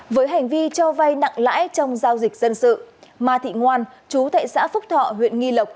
với hành vi cho vay nặng lãi trong giao dịch dân sự ma thị ngoan chú tại xã phúc thọ